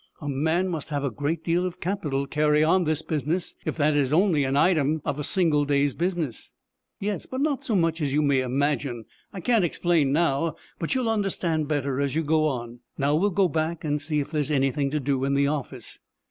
"A man must have a great deal of capital to carry on this business, if that is only an item of a single day's business." "Yes, but not so much as you may imagine. I can't explain now, but you'll understand better as you go on. Now we'll go back and see if there's anything to do in the office."